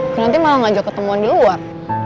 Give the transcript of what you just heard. kinanti malah ngajak ketemuan di luar